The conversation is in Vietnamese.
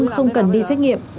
không cần đi xét nghiệm